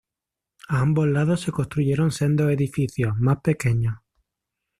A ambos lados se construyeron sendos edificios, más pequeños.